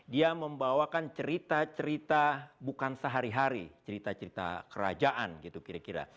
dia membawakan cerita cerita bukan sehari hari cerita cerita kerajaan gitu kira kira